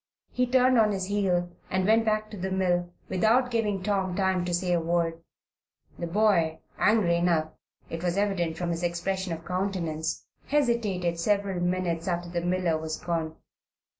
He turned on his heel and went back to the mill without giving Tom time to say a word. The boy, angry enough, it was evident from his expression of countenance, hesitated several minutes after the miller was gone.